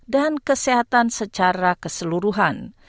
dan kesehatan secara keseluruhan